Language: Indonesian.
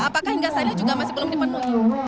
apakah hingga saat ini juga masih belum dipenuhi